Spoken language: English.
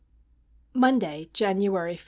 Monday, January 5.